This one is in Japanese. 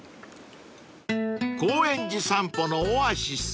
［高円寺散歩のオアシス］